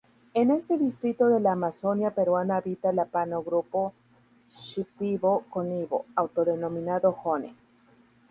En este distrito de la Amazonia peruana habita la Pano grupo Shipibo-Conibo autodenominado "Joni'.